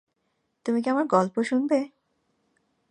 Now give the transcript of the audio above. তুমি কি আমার গল্প শুনবে?